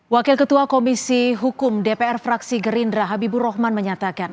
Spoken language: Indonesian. wakil ketua komisi hukum dpr fraksi gerindra habibur rahman menyatakan